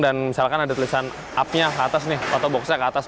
dan misalkan ada tulisan up nya ke atas nih atau box nya ke atas